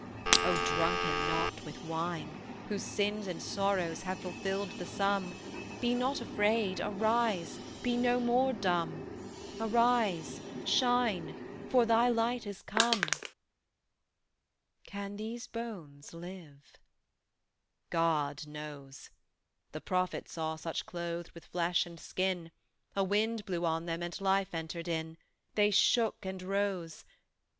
"O drunken not with wine, Whose sins and sorrows have fulfilled the sum, Be not afraid, arise, be no more dumb; Arise, shine, For thy light is come." "Can these bones live?" "God knows: The prophet saw such clothed with flesh and skin A wind blew on them and life entered in; They shook and rose.